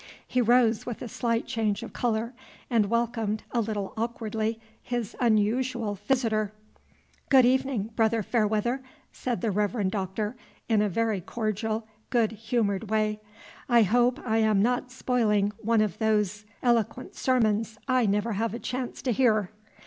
He rose with a slight change of color, and welcomed, a little awkwardly, his unusual visitor. "Good evening, Brother Fairweather!" said the Reverend Doctor, in a very cordial, good humored way. "I hope I am not spoiling one of those eloquent sermons I never have a chance to hear."